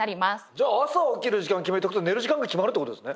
じゃあ朝起きる時間を決めとくと寝る時間が決まるってことですね。